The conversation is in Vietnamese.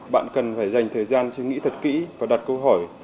bạn cần phải dành thời gian suy nghĩ thật kỹ và đặt câu hỏi